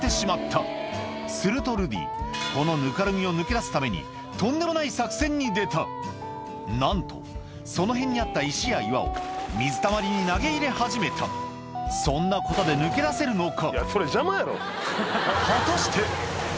このぬかるみを抜け出すためになんとその辺にあった石や岩を水たまりに投げ入れ始めたそんなことで抜け出せるのか？